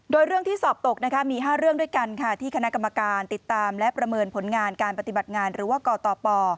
โดยเรื่องที่สอบตกมี๕เรื่องด้วยกันค่ะที่คณะกรรมการติดตามและประเมินผลงานการปฏิบัติงานหรือว่ากตป